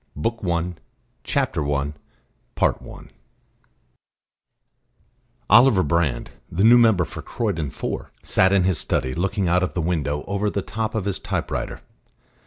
BOOK I THE ADVENT CHAPTER I I Oliver Brand, the new member for Croydon (4), sat in his study, looking out of the window over the top of his typewriter.